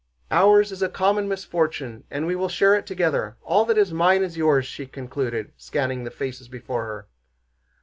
"Ours is a common misfortune and we will share it together. All that is mine is yours," she concluded, scanning the faces before her.